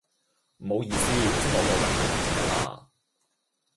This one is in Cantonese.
唔好意思,識我個人係咁直架啦.